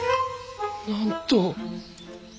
なんと。